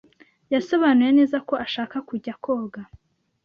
Yasobanuye neza ko ashaka kujya koga.